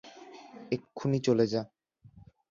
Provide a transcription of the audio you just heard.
এক্ষুনি চলে যা!